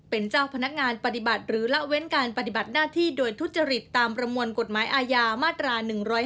เป็นเจ้าพนักงานปฏิบัติหรือละเว้นการปฏิบัติหน้าที่โดยทุจริตตามประมวลกฎหมายอาญามาตรา๑๕